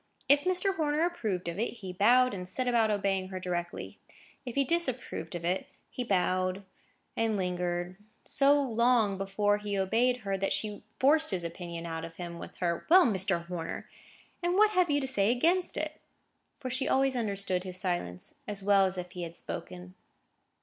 If Mr. Horner approved of it, he bowed, and set about obeying her directly; if he disapproved of it, he bowed, and lingered so long before he obeyed her, that she forced his opinion out of him with her "Well, Mr. Horner! and what have you to say against it?" For she always understood his silence as well as if he had spoken.